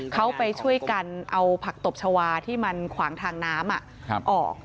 เขาไปช่วยกันเอาผักตบชาวาที่มันขวางทางน้ำออก